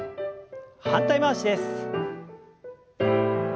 反対回しです。